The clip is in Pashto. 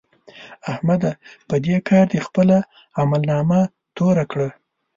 احمده! په دې کار دې خپله عملنامه توره کړه.